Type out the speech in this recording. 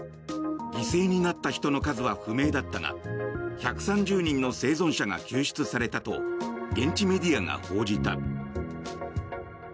犠牲になった人の数は不明だったが１３０人の生存者が救出されたと現地メディアが報じた。